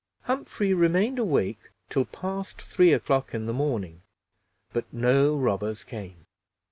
Humphrey remained awake till past three o'clock in the morning, but no robbers came.